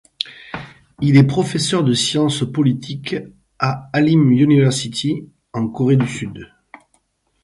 Il est professeur de Science politique à Hallym University, en Corée du Sud.